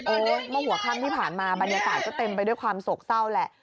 เมื่อหัวค่ำที่ผ่านมาบรรยากาศก็เต็มไปด้วยความโศกเศร้าแหละ